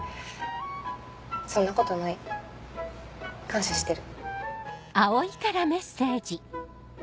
そんなことない感謝してる。